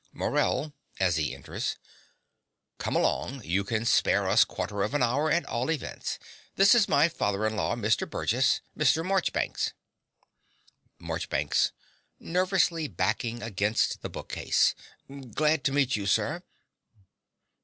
MORELL (as he enters). Come along: you can spare us quarter of an hour, at all events. This is my father in law, Mr. Burgess Mr. Marchbanks. MARCHBANKS (nervously backing against the bookcase). Glad to meet you, sir.